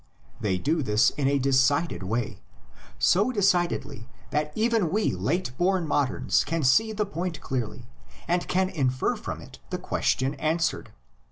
They do this in a decided way, so decidedly that even we late born moderns can see the point clearly, and can infer from it the question answered.